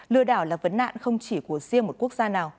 lừa đảo là vấn nạn không chỉ của riêng một quốc gia nào